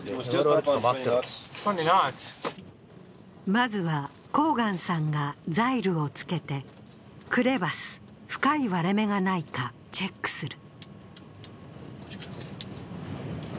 まずはコーガンさんがザイルをつけてクレバス、深い割れ目がないかチェックする。